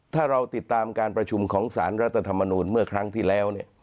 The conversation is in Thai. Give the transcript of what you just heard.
ถ้าเราติดตามการประชุมของสารรัฐธรรมนูลเมื่อครั้งที่แล้ว